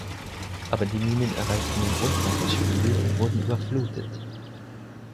Aber die Minen erreichten den Grundwasserspiegel und wurden überflutet.